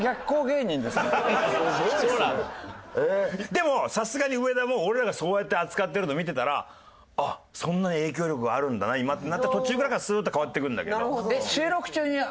でもさすがに上田も俺らがそうやって扱ってるの見てたらそんなに影響力があるんだな今ってなって途中ぐらいからすーっと変わっていくんだけど。